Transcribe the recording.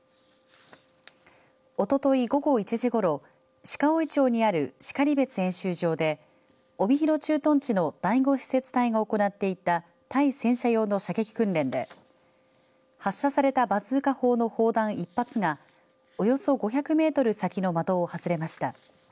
おととい午後１時ごろ鹿追町にある然別演習場で帯広駐屯地の第５施設隊が行っていた対戦車用の射撃訓練で発射されたバズーカ砲の砲弾１発がおよそ５００メートル先の的を外れました。